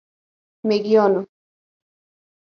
میږیانو،